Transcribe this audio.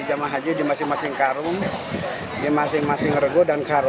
jemaah haji di masing masing karung di masing masing regu dan karung